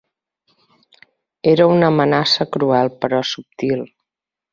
Era una amenaça cruel, però subtil.